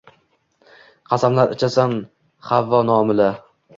Qasamlar ichasan Havvo nomi-la